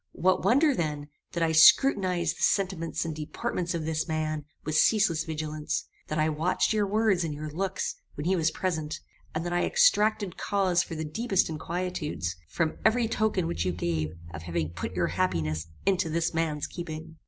What wonder then, that I scrutinized the sentiments and deportment of this man with ceaseless vigilance; that I watched your words and your looks when he was present; and that I extracted cause for the deepest inquietudes, from every token which you gave of having put your happiness into this man's keeping?